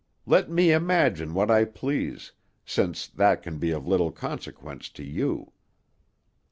Let me imagine what I please, since that can be of little consequence to you."